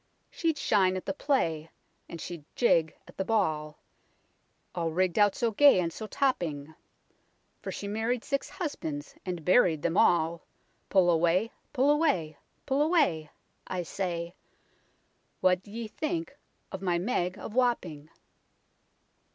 She'd shine at the play, and she'd jig at the ball, All rigg'd out so gay and so topping ; For she married six husbands, and buried them all. Pull away, pull away, pull away 1 I say ; What d'ye think of my Meg of Wapping